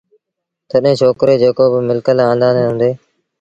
تڏهيݩ ڇوڪري جيڪو با ملڪت آݩدآݩدي هُݩدي